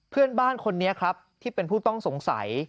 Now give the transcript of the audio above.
เพื่อนบ้านคนนี้ครับที่เป็นผู้ต้องสงสัย